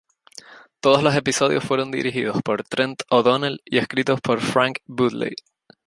Todos los episodios fueron dirigidos por Trent O'Donnell y escritos por Frank Woodley.